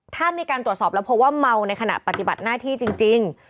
ถ้ามีการตรวจสอบแล้วเพราะว่าเมาในขณะปฏิบัติหน้าที่จริง